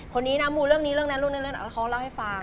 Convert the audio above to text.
คนนี้นะมูเรื่องนี้เรื่องนั้นเรื่องนี้เรื่องเขาเล่าให้ฟัง